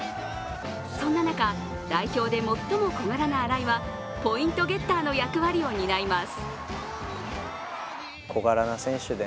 そんな中、代表で最も小柄な荒井はポイントゲッターの役割を担います。